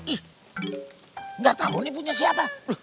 ih gak tahu ini punya siapa